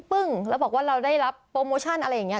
ปึ้งแล้วบอกว่าเราได้รับโปรโมชั่นอะไรอย่างนี้